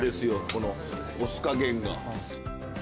このお酢加減が。